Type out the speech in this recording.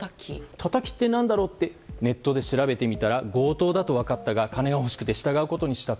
タタキって何だろうとネットで調べてみたら強盗だと分かったが金が欲しくて従うことにした。